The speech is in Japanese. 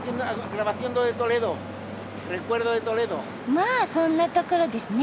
まあそんなところですね。